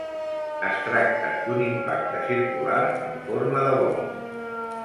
Es tracta d'un impacte circular amb forma de bol.